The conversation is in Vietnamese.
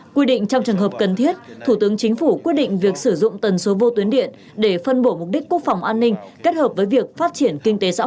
quy định trong trường hợp cần thiết thủ tướng chính phủ quyết định việc sử dụng tần số vô tuyến điện để phân bổ mục đích quốc phòng an ninh kết hợp với việc phát triển kinh tế xã hội